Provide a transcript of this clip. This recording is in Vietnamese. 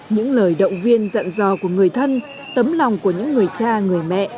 những lời động viên dặn dò của người thân tấm lòng của những người cha người mẹ